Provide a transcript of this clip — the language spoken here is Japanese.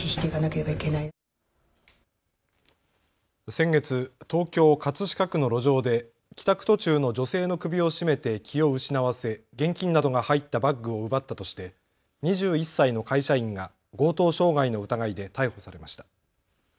先月、東京葛飾区の路上で帰宅途中の女性の首を絞めて気を失わせ現金などが入ったバッグを奪ったとして２１歳の会社員が強盗傷害の疑いで逮捕されました。